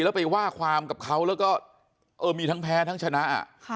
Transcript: แล้วไปว่าความกับเขาแล้วก็เออมีทั้งแพ้ทั้งชนะ